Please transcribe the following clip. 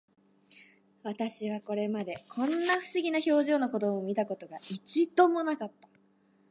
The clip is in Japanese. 私はこれまで、こんな不思議な表情の子供を見た事が、一度も無かった